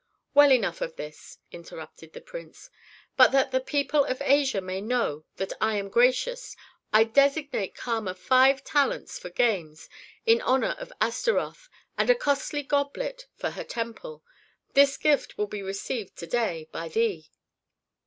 "Well, enough of this," interrupted the prince. "But that the people of Asia may know that I am gracious, I designate Kama five talents for games, in honor of Astaroth, and a costly goblet for her temple. This gift will be received to day by thee."